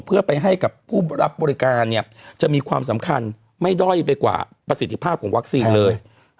เพื่อไปให้กับผู้รับบริการเนี่ยจะมีความสำคัญไม่ด้อยไปกว่าประสิทธิภาพของวัคซีนเลย